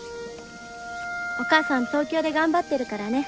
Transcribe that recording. お母さん東京で頑張ってるからね。